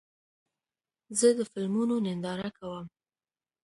زه د فلمونو ننداره کوم.